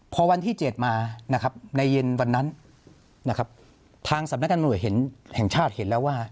พอวันที่๗มาในเย็นวันนั้นทางสำนักการณ์หน่วยแห่งชาติเห็นแล้วว่า